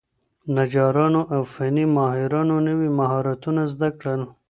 نجارانو او فني ماهرانو نوي مهارتونه زده کړل.